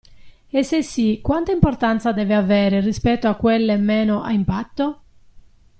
E se sì, quanta importanza deve avere rispetto a quelle meno "a impatto"?